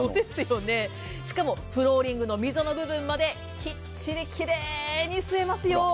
しかも、フローリングの溝の部分まできっちりきれいに吸えますよ。